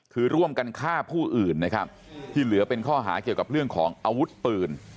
คือร่วมกันฆ่าผู้อื่นนะครับที่เหลือเป็นข้อหาเกี่ยวกับเรื่องของอาวุธปืน